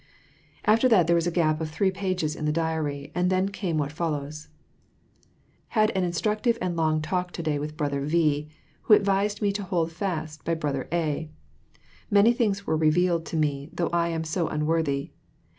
After that there was a gap of three pages in the diary, and then came what follows :— Had an instructive and long talk to day with brother V who advised me to hold fast by brother A . Many things were revealed to me, though I am so unworthy.